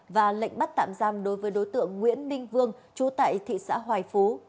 và lệnh bắt tạm giam đối với đối tượng nguyễn minh vương chú tại thị xã hoài phú